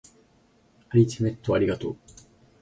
アルティメットありがとう